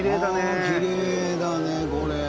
ああきれいだねこれ。